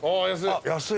安い。